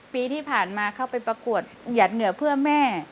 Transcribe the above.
ปีที่ผ่านมาเขาไปประกวดหยัดเหนือเพื่อแม่